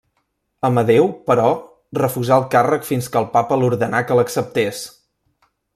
Amadeu, però, refusà el càrrec fins que el papa l'ordenà que l'acceptés.